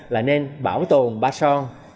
là nên bảo tồn ba son